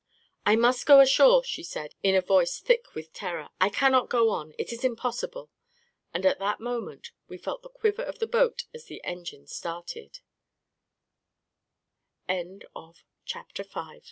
" I must go ashore," she said, in * voice thick with terror. " I cannot go on. It is impossible !" And at that moment, we felt the quiver of the boat as the engines start